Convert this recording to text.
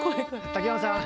竹山さん！